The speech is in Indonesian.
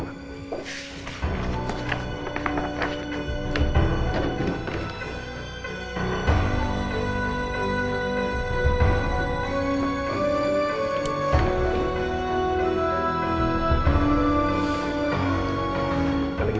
pusara sebelah kamu